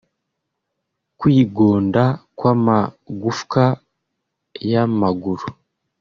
kwigonda kw’amagufwa y’amaguru